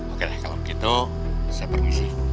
oke lah kalau begitu saya permisi